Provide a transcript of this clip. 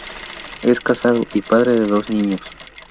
Es casado y padre de dos niños.